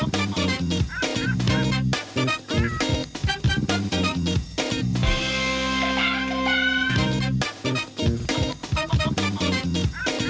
โปรดติดตามตอนต่อไป